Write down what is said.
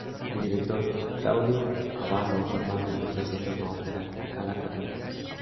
El director Claudio Abbado normalmente presenta una ópera cada cuatro meses.